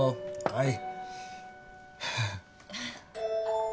はい。